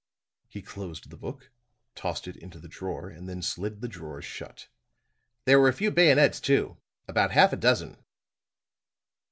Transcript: He closed the book, tossed it into the drawer and then slid the drawer shut. "There were a few bayonets, too. About half a dozen."